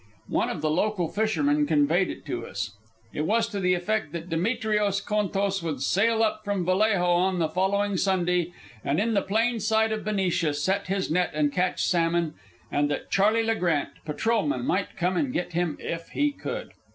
One of the local fishermen conveyed it to us; it was to the effect that Demetrios Contos would sail up from Vallejo on the following Sunday, and in the plain sight of Benicia set his net and catch salmon, and that Charley Le Grant, patrolman, might come and get him if he could.